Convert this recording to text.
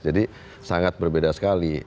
jadi sangat berbeda sekali